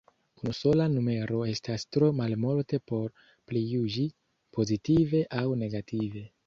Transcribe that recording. Unusola numero estas tro malmulte por prijuĝi, pozitive aŭ negative.